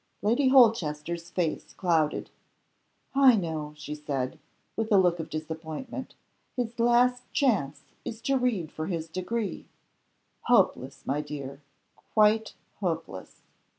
Lady Holchester's face clouded. "I know," she said, with a look of disappointment. "His last chance is to read for his degree. Hopeless, my dear. Quite hopeless!